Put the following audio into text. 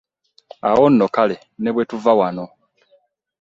Awo nno kale ne bwetuva wano .